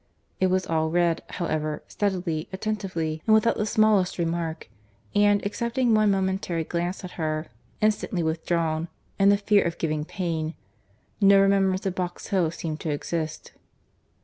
It was all read, however, steadily, attentively, and without the smallest remark; and, excepting one momentary glance at her, instantly withdrawn, in the fear of giving pain—no remembrance of Box Hill seemed to exist.